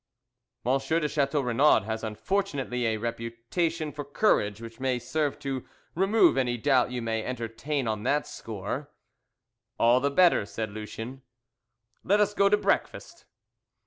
"M. de Chateau Renaud has unfortunately a reputation for courage which may serve to remove any doubt you may entertain on that score." "All the better," said Lucien. "Let us go to breakfast."